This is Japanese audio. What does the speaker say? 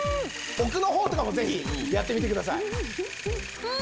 奥の方とかもぜひやってみてください。